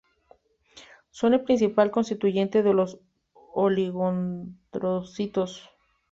Son el principal constituyente de los oligodendrocitos.